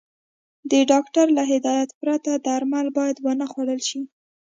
د ډاکټر له هدايت پرته درمل بايد ونخوړل شي.